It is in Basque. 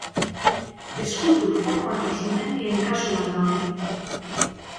Ezkutu formako sumendien kasua da hori.